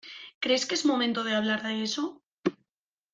¿ crees que es momento de hablar de eso?